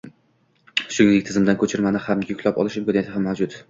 Shuningdek, tizimdan ko‘chirmani ham yuklab olish imkoniyati ham mavjud.